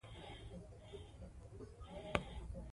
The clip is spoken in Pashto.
دوی به سپین مرغان لیدل.